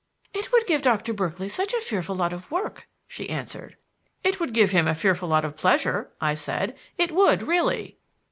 "It would give Doctor Berkeley such a fearful lot of work," she answered. "It would give him a fearful lot of pleasure," I said. "It would really."